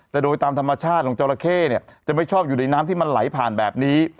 แต่โดยตามธรรมชาติของจอราเข้เนี่ยจะไม่ชอบอยู่ในน้ำที่มันไหลผ่านแบบนี้